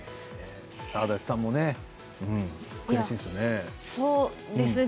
足立さんも悔しいですよね。